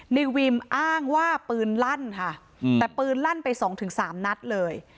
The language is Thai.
ในวิมอ้างว่าปืนลั่นค่ะแต่ปืนลั่นไปสองถึงสามนัดเลย